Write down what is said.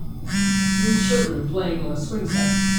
Three children playing on a swing set